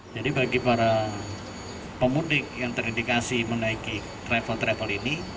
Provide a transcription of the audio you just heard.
jadi bagi para pemudik yang terindikasi menaiki travel travel ini